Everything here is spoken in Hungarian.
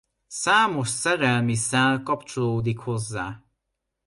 Számos szerelmi szál kapcsolódik hozzá.